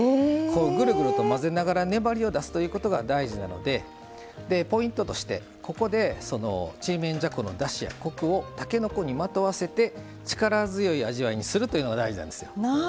ぐるぐると混ぜながら粘りを出すということが大事なので、ポイントとしてちりめんじゃこのだしやコクをたけのこに、まとわせて力強い味わいにするというのが大事なんですよ。